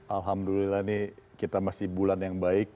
alhamdulillah ini kita masih bulan yang baik